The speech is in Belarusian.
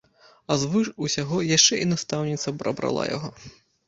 А звыш усяго, яшчэ і настаўніца прабрала яго.